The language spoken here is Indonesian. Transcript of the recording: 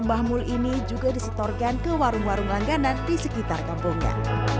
mbah mul ini juga disetorkan ke warung warung langganan di sekitar kampungnya